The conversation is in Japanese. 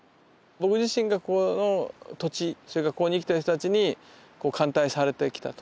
僕自身がこの土地それからここに生きてる人たちに歓待されてきたと。